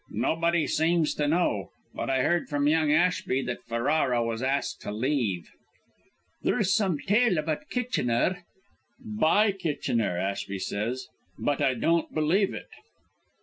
Nobody seems to know. But I heard from young Ashby that Ferrara was asked to leave." "There's some tale about Kitchener " "By Kitchener, Ashby says; but I don't believe it."